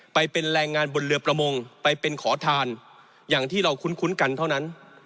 ไปเป็นแรงงานบนเรือประมงไปเป็นขอทานอย่างที่เราคุ้นกันเท่านั้น